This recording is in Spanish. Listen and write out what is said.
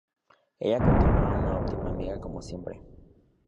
Ella continúa una óptima amiga como siempre.